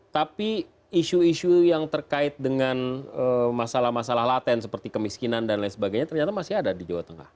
tapi isu isu yang terkait dengan masalah masalah laten seperti kemiskinan dan lain sebagainya ternyata masih ada di jawa tengah